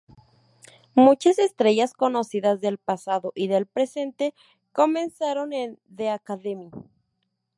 Muchas estrellas conocidas, del pasado y del presente, comenzaron en The Academy.